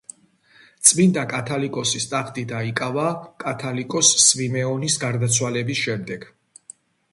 წმინდანმა კათოლიკოსის ტახტი დაიკავა კათოლიკოს სვიმეონის გარდაცვალების შემდეგ.